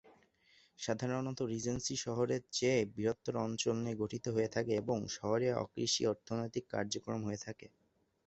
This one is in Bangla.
সাধারণত রিজেন্সি শহরের চেয়ে বৃহত্তর অঞ্চল নিয়ে গঠিত হয়ে থাকে এবং শহরে অকৃষি অর্থনৈতিক কার্যক্রম হয়ে থাকে।